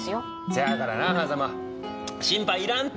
せやからな狭間心配いらんて。